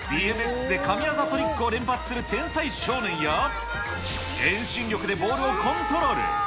ＢＭＸで神業トリックを連発する天才少年や、遠心力でボールをコントロール。